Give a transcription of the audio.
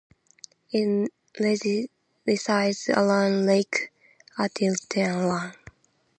It resides around lake Atitlan.